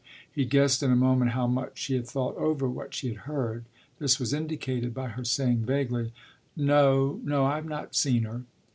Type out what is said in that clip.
He guessed in a moment how much she had thought over what she had heard; this was indicated by her saying vaguely, "No, no, I've not seen her."